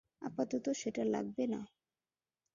আপাতত সেটা লাগবে না।